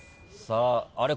あれ？